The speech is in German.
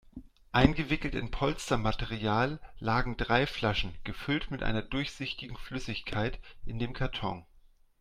Eingewickelt in Polstermaterial lagen drei Flaschen, gefüllt mit einer durchsichtigen Flüssigkeit, in dem Karton.